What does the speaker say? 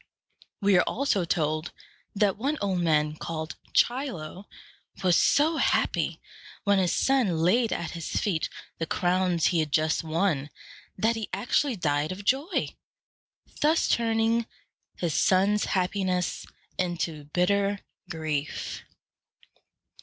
We are also told that one old man called Chi´lo was so happy when his son laid at his feet the crowns he had just won, that he actually died of joy, thus turning his son's happiness into bitter grief.